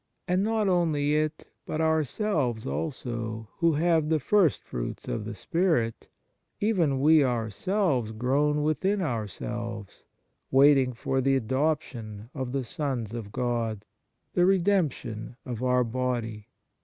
And not only it, but ourselves also, who have the first fruits of the Spirit, even we ourselves groan within ourselves, waiting for the adoption of the sons of God, the redemp tion of our body.